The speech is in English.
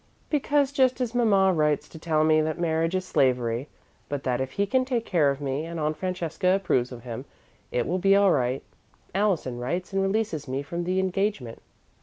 "Because just as Mamma writes to tell me that marriage is slavery, but that if he can take care of me and Aunt Francesca approves of him, it will be all right, Allison writes and releases me from the engagement."